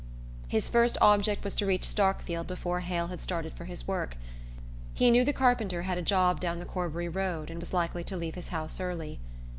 His first object was to reach Starkfield before Hale had started for his work; he knew the carpenter had a job down the Corbury road and was likely to leave his house early.